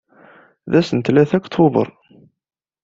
D ass n tlata deg tuber.